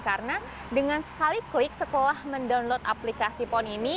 karena dengan sekali klik setelah mendownload aplikasi pon ini